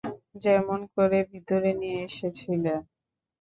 যেমন করে ভিতরে নিয়ে এসেছিলে।